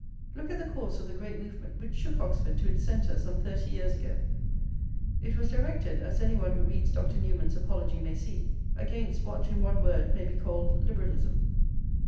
Look at the course of the great movement which shook Oxford to its centre some thirty years ago! It was directed, as any one who reads Dr. Newman's Apology may see, against what in one word maybe called "liberalism."